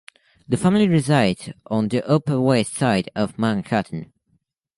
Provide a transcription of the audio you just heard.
The family resides on the Upper West Side of Manhattan.